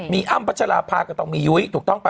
มีอ้ำพัชราภาก็ต้องมียุ้ยถูกต้องป่